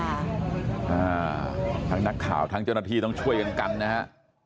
อ่าทั้งนักข่าวทั้งเจ้าหน้าที่ต้องช่วยกันกันนะฮะ